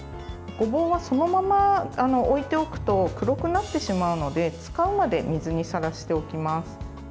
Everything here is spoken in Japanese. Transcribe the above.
ごぼうは、そのまま置いておくと黒くなってしまうので使うまで水にさらしておきます。